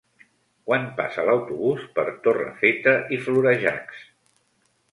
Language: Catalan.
Quan passa l'autobús per Torrefeta i Florejacs?